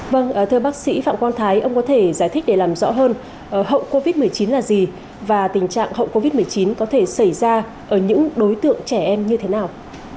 vâng thưa bác sĩ phạm quang thái ông có thể giải thích để làm rõ hơn hậu covid một mươi chín là gì và tình trạng hậu covid một mươi chín có thể xảy ra ở những đối tượng trẻ em như thế nào